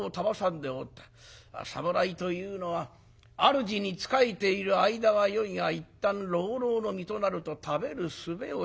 侍というのはあるじに仕えている間はよいがいったん浪々の身となると食べるすべを知らん。